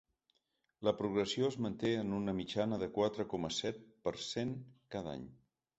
La progressió es manté en una mitjana de quatre coma set per cent cada any.